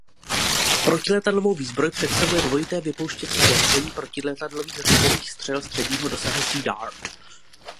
Protiletadlovou výzbroj představuje dvojité vypouštěcí zařízení protiletadlových řízených střel středního dosahu Sea Dart.